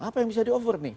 apa yang bisa di offer nih